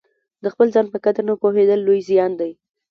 د خپل ځان په قدر نه پوهېدل لوی زیان دی.